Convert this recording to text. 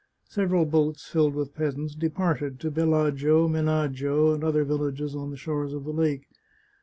Several boats filled with peasants departed to Bellagio, Menaggio, and other villages on the shores of the lake.